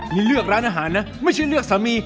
นี่เลือกร้านอาหารนะไม่ใช่เลือกสามี